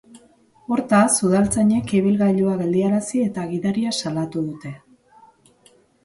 Hortaz, udaltzainek ibilgailua geldiarazi eta gidaria salatu dute.